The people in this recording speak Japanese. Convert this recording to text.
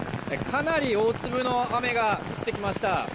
かなり大粒の雨が降ってきました。